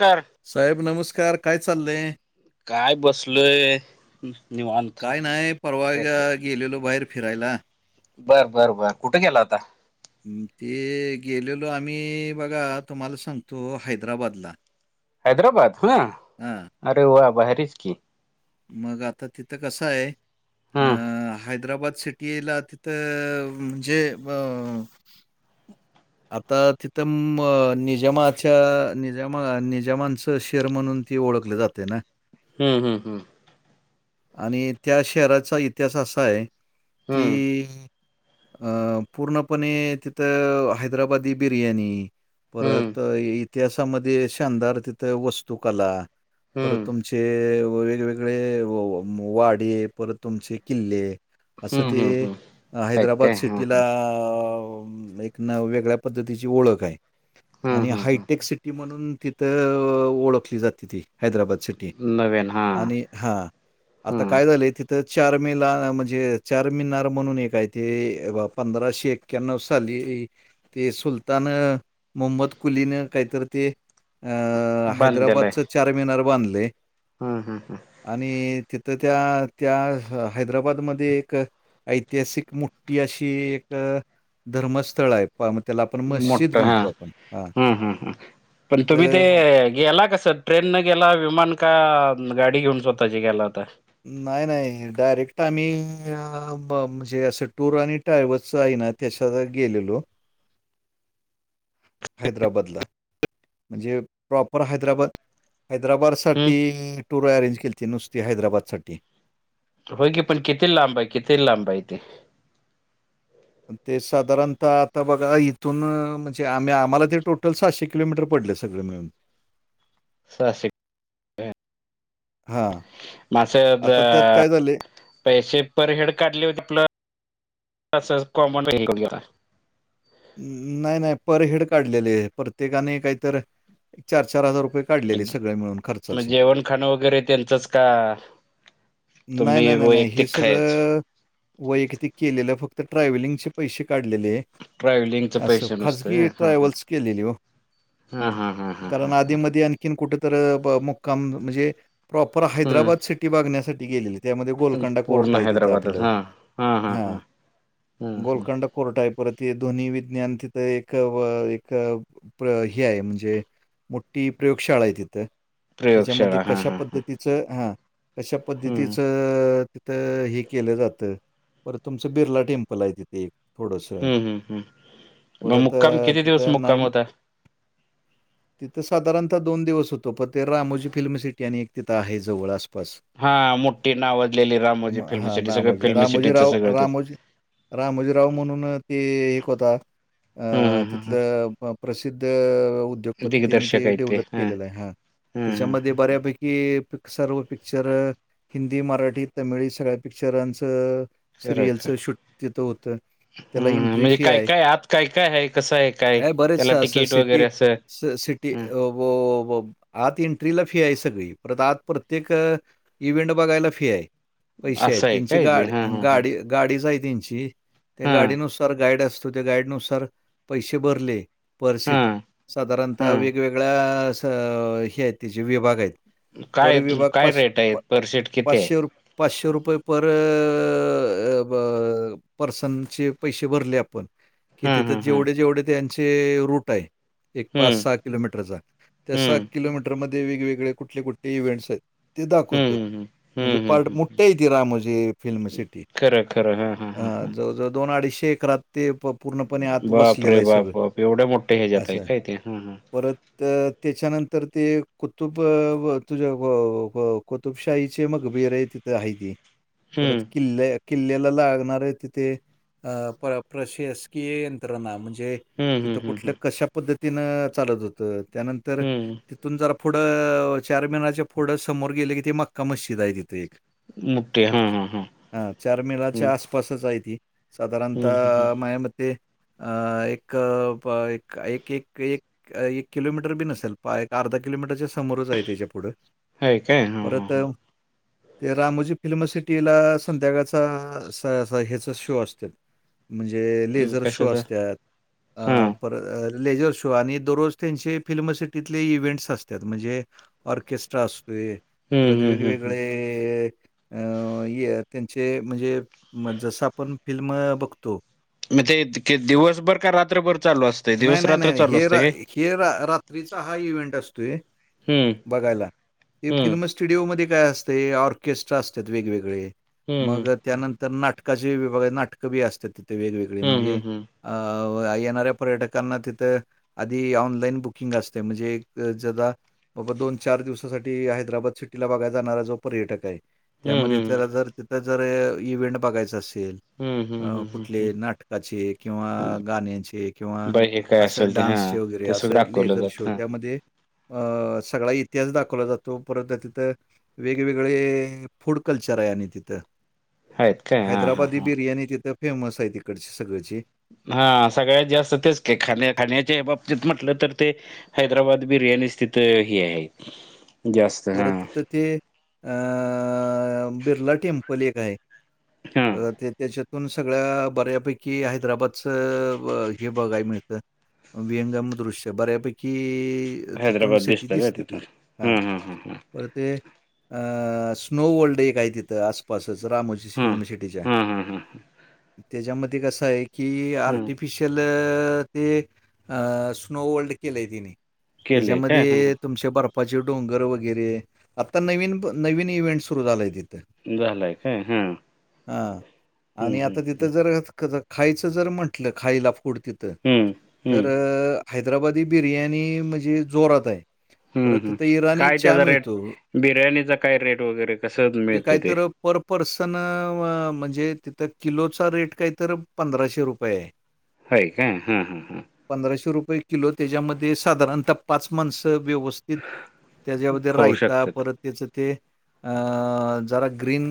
कर साहेब नमस्कार काय चाललंय. काय बसलोय. निवांत काय नाय परवा अ गेलेलो बाहेर फिरायला. बरं बरं बरं कुठे गेला होता. ते गेलेलो आम्ही बघा तुम्हाला सांगतो हैदराबादला. हैदराबाद ह हा अरे वा भारीच की मग आता तिथं कसं आहे हा अ हैद्रबाद सिटी याला तिथं म्हणजे अ आता तिथं निजामाच्या निजामा निजामांचं शहर म्हणून ती ओळखले जाते ना हम् हम्म हं आणि त्या शहराचा इतिहास असा आहे. हम्म कि अ पूर्णपणे तिथ आहेत हैद्रबादी बिर्याणी हम्म परत ये इतिहासामध्ये शानदार तिथे वस्तूकला परत हम्म तुम तुमचे वेगवेगळे वाडे परत तुमचे किल्ले असं हम्म ते हम्म हम्म ह हैदराबाद काय हा सिटीला ह एक नाव वेगळं वेगळ्या पद्धतीची ओळख ये हम्म आणि हम्म हायटेक सिटी म्हणून तिथं ओळखली जाते ती हैद्रबाद सिटी हम्म नवीन हा आणि हां आता हम्म काय झालंय तिथं चार मे ला म्हणजे चार मिनार म्हणून एक आहे ते पंधराशे एक एक्याण्णव साली ते सुलतान मोहम्मद कुलीनं काहीतरी ते अं हैदराबादच चारमिनार बांधलय. हम हम हम आणि तिथं त्या त्या हैदराबादमध्ये एक ऐतिहासिक मुठी अशी एक धर्मस्थळ आहेत. पहा मग त्याला आपण हम्म मस्जिद मोठं हा म्हणतो आपण हा हम्म हम्म हम्म पण तुम्ही ते गेला कस ट्रेननं गेला विमान का गाडी घेऊन स्वतःची गेला होता. नाही नाही डायरेक्ट आम्ही म्हणजे असं टूर आणि ट्रॅव्हल्स च आहे ना त्याच्यानं गेलेलो हैदराबादला म्हणजे प्रॉपर हैदराबाद हैदराबाद साठी हम्म टूर अरेंज केलती नुसती हैदराबादसाठी होय की पण किती लांब आहे किती लांब आहे तेे ते साधारणतः आता बघा इथून म्हणजे आम्ही आम्हाला ते टोटल सहाशे किलोमीटर पडले सगळे मिळून सहाशे हां. मग असं आता त्यात जर काय झाले पैसे पर हेड काढली होती का असच कॉमन नाही नाही पर हेड काढलेले आहे. प्रत्येकाने काहीतरी चार चार हजार रुपये मग जेवण खाणं वगैरे त्यांचंच का नाही तुम्ही नाही नाही नाही हे वैयक्तिक खायच सगळं वयक्तित केलेलं फक्त ट्रॅव्हलिंगचे पैसे काढलेले आहे. ट्रॅव्हलिंगच असं पैसे नसत खाजगी हा ट्रॅव्हल्स केलेली ओ हा हा हा हा हा हा आणखीन कुठेतर मुक्काम म्हणजे प्रॉपर हैद्रबाद हम्म सिटी बघण्यासाठी गेलेलीत. त्यामध्ये गोलकंडा कोर्ट आहे तिथं आपलं हा हम्म गोलकंड कोर्ट आहे परत हे दोन्ही विज्ञान तिथं एक एक हे आहे म्हणजे मोठी प्रयोगशाळा आहे तिथ त्याच्यामध्ये प्रयोगशाळा हा कशा हा हा पद्धती च हा कशा हम्म पद्धतीचं तर हे केलं जातं पर तुमचं बिर्ला टेम्पल आहे तिथे एक थोडंसं. हम् हम हम् परत तिथं नाईम होता तिथं साधारणतः दोन दिवस होतो पण ते रामोजी फिल्म सिटी आणि एक तिथं आहे जवळ असं बस हा मोठी नावाजलेली रामोजी फिल्म हा सिटी सगळं रामोजी फिल्म रामोजी सिटीच राव सगळं ते रामोजी रामोजीराव म्हणून ते एक होता अ तिथलं प्रसिद्ध उद्योगपती त्यांनी ते डेव्हलप केलेलं आहे हा हम् हम् मग ते बऱ्यापैकी सर्व पिक्चर हिंदी, मराठी, तमिळ सगळ्या पिक्चरांचं खरं खरं सिरियलचं शूट तिथं होतं. त्याला हम्म एन्ट्री म्हणजे फी काय आहे. काय आत काय काय आहे कसं आहे काय हाय त्याला बरेच अस तिकीट वगैरे सिटी असं ते ह आत एंट्रीला फी आहे सगळी परत आत प्रत्येक इव्हेंट बघायला फी आहे पैसे आहेत असं आहे त्यांची काय ते हा गाडी हा हा गाडी गाडीच आहे त्यांची त्या हा गाडीनुसार गाईड असतो. तो त्या गाईड नुसार पैशे भरले पर हा सीट साधारणतः हा वेगवेगळ्या अ हे आहेत तिचे विभाग आहेत पर काय विभाग काय पाच रेट आहेत पर सीट किती आहे पाचशे रुप पाचशे रुपये पर पर्सनचे पैसे भरले आपण कि हा हा तिथं हा जेवढे जेवढे त्यांचे रूट आहे. एक पाच हम्म सहा किलोमीटरचा त्या सहा हम्म किलोमीटर. मध्ये वेगवेगळे कुठले कुठले इव्ंट्स आहेत. ते दाखवतो हम्म हम्म म्हणजे हम्म पार्ट हम्म मुठठा हे त राम म्हजे फिल्म सिटी. खर हा हा हा हा. दोन अडीचशे एकरात ते प - पूर्णपणे आत बाप वसलेलं रे आहे सगळं बाप बाप एवढ्या मोठे हे जात आहे असं काय ते हा हा परत - तर त्याच्यानंतर ते कुतुब तुझ्या व. कौतुबशाही चे मगभीर आहे तिथे आहे ते. परत हम्म किल्ल्या किल्ल्याला लागणार तिथे. अ प्रशासकीय यंत्रणा म्हणजे हम्म हम्म तिथं हम्म कुठल्या हम्म कशा - पद्धतीन चालत होतं त्यानंतर - हम्म तून जरा पुढं चार महिनाच्या पुढं समोर गेले की ते मक्का मस्जिद आहे तिथे एक. मोठे हा हा हा हम्म चारमिनारच्या अस. तसं चं ते साधारणत हम्म हम्म माया मते - अ - एक- एक- एक - एक. एक किलोमीटर बी नसलं पाह अर्धा किलोमीटर सं. समोरच आहे त्याच्या पुढं हय काय हा हा परत - ते रामोजी फिल्म सिटीला संध्याकाळचा ह्याचा शो असते. म्हणजे हा लेझर शो कशाचा असतात हा अ. पर लेजर शो आणि दररोज त्यांचे फिल्म सिटीतले इव्हेंट्स असतात म्हणजे. ऑर्केस्ट्रा असतोयं. हम्म परत हम्म हम्म हम्म वेगवेगळे अं त्यांचे म्हणजे. मग जसं आपण फिल्म बघतो. मी ते तर दिवसभर का रात्रभर चालू असतं. नाही - नाही - नाही - नाही हे हे रात्रीचा हा इव्हेंट असतोयं. हम्म बघायला हे हम्म फिल्मचं. स्टुडिओ मध्ये काय असते ऑर्केस्ट्रा असतात वेगवेगळे हम्म मग - त्यानंतर नाटकाचे नाटकं बी असतात तिथे वेगवेगळे हम्म हम्म म्हणजे येणाऱ्या - पर्यटकांना तिथं आधी ऑनलाईन बुकिंग असते म्हणजे ज - बाबा दोन चार दिवसाांसाठी हैदराबाद सिटीला बघायला जाणारा जो पर्यटक आहे. हम्म हम्म त्यामध्ये हम्म त्याला जर तिथं जर इव्हेंट बघायचा असेल. हम्म अ हम्म हम्म कुठले हम्म नाटकाचे किंवा गाण्याचे. किंवा बाई हे काय असं असेल ते हा डान्स वगैरे ते सगळं असं दाखवलं लेजर जात शो हा त्या. मध्ये सगळा इतिहास दाखवला जातो परत तिथं - वेगवेगळे फूड कल्चर आहे तिथं. आहेत काय हा हा हैदराबादी हा बिर्याणी तिथं फेमस आहे तिकडची सगळची. हा सगळ्यात जास्त तेचं खाण्या खाण्याच्या बाबतीत म्हटलं तर ते. हैदराबाद बिर्यानी तिथं हे आहे जास्त परत हं तिथं ते. अ बिरला टेंपल एक आहे हा ते त्याच्या - तिथून सगळ्या बऱ्यापैकी हैदराबादच हे बघाय मिळतं. वियंगम दृश्य बऱ्यापैकी तिथून सिटी दिसते ती हा. हं हं हं. पर ते स्नो वर्ल्ड एक आहे तिथं आसपासच रामजो - हम्म फ्लिम सिटीच्या हम्म हम्म हम्म हम्म हम्म त्याच्यामधी कसं आहे कि हम्म आर्टि स्पिशल ते स्नोवल्ड केलं तिने केलंय काय त्याच्यामध्ये हम्म तुमच्या बर्फाचे डोंगर वगैरे आता नवीन नवीन इव्हेंट सुरू झालंय तिथं. झालंय काय हम्म हा हम्म आणि आता हम्म तिथं जर खायचं जर म्हंटलं खायला फूड तिथं हम्म हम्म तर हैद्राबादी बिर्याणी म्हणजे जोरात आहे. हम् परत हम् तिथं इराणी काय चहा त्याचा रेट मिळतो. बिर्याणीचा काय रेट वगैरे कसं मिळतं ते पर पर्सन म्हणजे तिथं किलोचा रेट काही तर पंधराशे रुपये आहे. [unintelligible] आहे काय हां हां हां पंधराशे रुपये किलो त्याच्यामध्ये साधारणतः पाच माणसं व्यवस्थित त्याच्यामध्ये खाऊ राईता शकतात परत त्याच ते अ जरा ग्रीन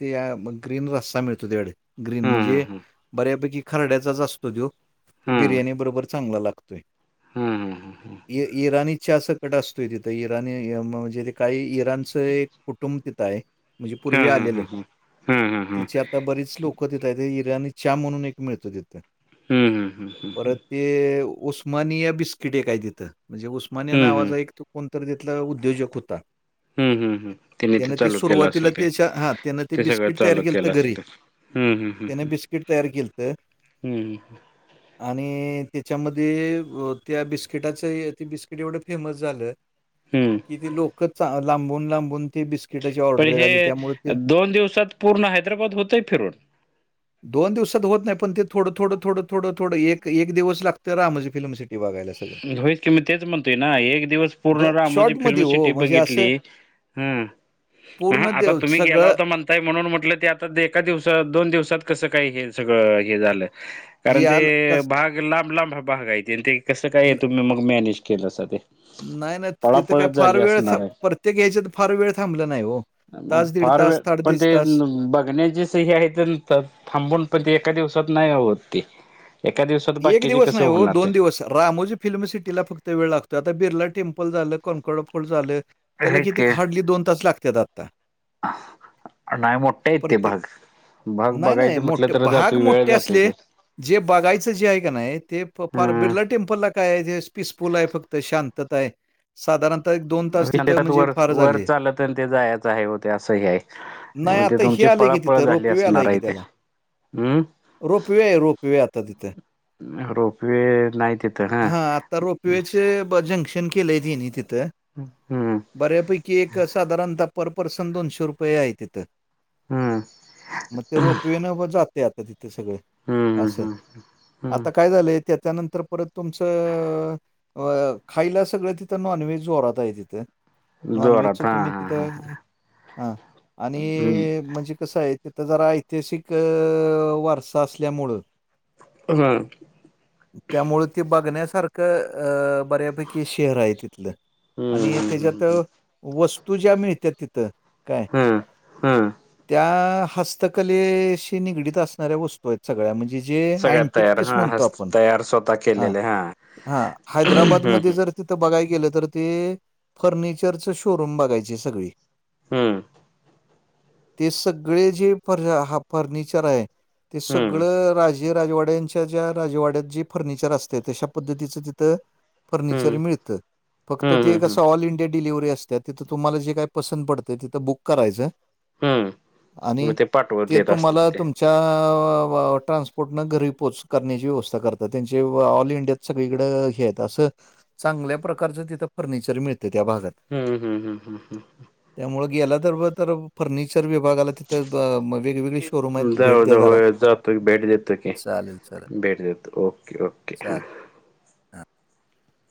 ते ग्रीन रस्सा मिळतो त्या ग्रीन हां म्हणजे हां बऱ्यापैकी खाण्याचाच असतो त्यो बिर्याणी बरोबर चांगला लागतोय. हम्म. इराणीच्या चहा सगट असतोय तिथं इराणी म्हणजे ते काही इराणचं एक कुटुंब तिथ आहे म्हणजे पुर्वी हां आलेलं हां हां हां हां तिचे आता बरीच लोक तिथं ईरानी आणि चहा म्हणून एक मिळतो तिथं हम्म हम्म हम्म परत हम्म. ते उस्मानिया बिस्किट हे काय तिथं म्हणजे उस्मानिया हम्म नावाचा एक तो कोणतरी तिथलं उद्योजक होता. हम्म हम्म हम्म त्यांनी त्यान ते चालू केलं सुरुवातीला असेल ते त्याच्या हा त्याने ते बिस्किट तयार केलं तर घरी हम् हं त्याने बिस्किट तयार केलंत हम्म हम आणि त्याच्यामध्ये त्या बिस्किटाच हे बिस्क बिस्किटाचं तेवढं फेमस झालं हम्म तिथे लोकच लांबुन लांबुन ते बिस्किट पण हे दोन दिवसात पूर्ण हैदराबाद होतय फिरून. दोन दिवसात होत नाही पण ते थडं थोड थोडं थोड थोडं एक एक दिवस लागतं रामोजी फिल्म सिटी बघायला सगळं. होई की मी तेच म्हणतोय ना एक दिवस पूर्ण दो रामोजी फिल्म शॉर्टमध्ये हो सिटी म्हणजे असं बघितली हम्म. हा पूर्ण आता देव तुम्ही गेला सगळं होता म्हण काय म्हणुन म्हटलं ते आता एका दिवसात दोन दिवसात कसं काही हे सगळं हे झालं. कारण ते या ल- कस- भाग लांब लांब भाग आहेत आणि ते कसं काय आहे ल- तुम्ही मग मॅनेज केलं अस ते नाही नाही तिथं काय पळापळच फार झाली वेळ असणार आहे प्रत्येक याच्यात फार वेळ थांबला नाही हो. तास दीड फार तास वेळ पण साडेतीस ते तास बघण्याची हे आहे थांबून पण ते एका दिवसात नाही ते एका दिवसात एक बाकीचे दिवस कसे नाही हो होणार ते दोन दिवस रामोजी फिल्म सिटीला फक्त वेळ लागतोय आता बिरला टेंम्पल झालं कणकोड फोड झालं त्याला आहेत किती की हार्डली दोन तास लागतात आता. नाही मोठा येत ते प्रत्येक भाग. भाग नाही नाही बघायचं म्हटलं मोठे तर भाग जातोय वेळ मोठे जातोय असले ते जे बघायचे जे आहे का नाही ते फार बिर्ला टेम्पलला काय आहे पीसफुल आहे फक्त शांतता आहे. साधारणतः एक दोन वर वर चालत न ते जायचं आहे होते असं हे आहे. नाही ते आता हे तुमची आलंय की पळापळ तिथं झाली रोपवे आलाय असणार की आहे ते त्याला हम्म रोपवे रोपवे आता तिथं रोप वे नाही तिथं हा आता रोपवेचे जंक्शन केलेय तिनी तिथं ह हम्म बऱ्यापैकी एक साधारणतः पर पर्सन दोनशे रुपये आहे तिथं. हम्म मग ते रोपवे न जाते आता तिथं सगळे. हम्म हम्म हम्म. आता काय झालंय त्याच्यानंतर परत तुमचं अ खायला सगळं तिथं नॉनव्हेज जोरात आहे तिथं. नॉन जोरात व्हेजच हा तुम्ही हा हा तिथं हा आणि हम्म म्हणजे कसं आहे तिथं जरा ऐतिहासिक वारसा असल्यामुळं हम्म त्यामुळे ते बघण्यासारखं अ बऱ्या पैकी शहर आहे तिथलं हम्म आणि त्याच्यात हम्म वस्तू ज्या मिळत्या तिथं काय हम्म हम्म त्या हस्त हस्तकलेशी निगडीत असणाऱ्या वस्तू आहेत सगळ्या म्हणजे जे सगळ्यात अँटिक तयार पीस हा म्हणतो हस्त आपण तयार स्वतः ह केलेले हा ह हम्म हैद्रबादमध्ये हम्म जर तिथं बघाय गेलं तर ते फर्निचरच शोरूम बघायचे सगळे हम्म ते सगळे जे फर्निचर आहे ते हम्म सगळं राज जे राजवाड्यांच्या ज्या राजवाड्यात जे फर्निचर असते तशा पद्धतीचं तिथं फर्निचर हम्म मिळतं. फक्त हम्म ते हम्म एक हम्म असं ऑल इंडिया डिलिव्हरी असते तिथं तुम्हाला जे काय पसंत पडतंय तिथं बुक करायचं. हम्म मग आणि ते पाठवत ते देत तुम्हाला असतील ते तुमच्या ट्रान्सपोर्ट कुठंन घरी पोहच करण्याची व्यवस्था करतात त्यांचे ऑल इंडिया सगळीकडें हेे हायत असं चांगल्या प्रकारचं तिथं फर्निचर मिळतं त्या भागात. हम्म हम्म हम्म हम्म त्यामुळे गेला तर फर्निचर व्य बघायला तिथं वेगवेगळे शोरूम आहेत भेट द्या जरा. तिथं भेट देतो की चालेल चालेल भेट देतो ओके ओके हा चालेल [inaudible]